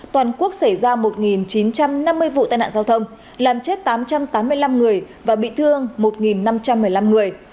toàn quốc xảy ra một chín trăm năm mươi vụ tai nạn giao thông làm chết tám trăm tám mươi năm người và bị thương một năm trăm một mươi năm người